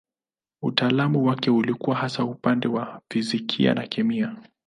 Utaalamu wake ulikuwa hasa upande wa fizikia na kemia.